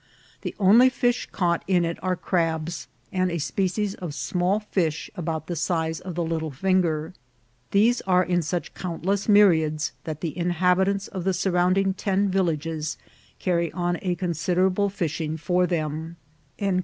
The only fish caught in it are crabs, and a species of small fish about the size of the little finger. These are in such countless myriads that the inhabitants of the surrounding ten villages carry on a considerable fishing for them."